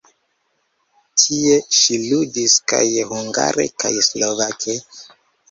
Tie ŝi ludis kaj hungare kaj slovake.